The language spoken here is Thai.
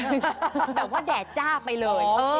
แบบว่าแดดจ้าไปเลย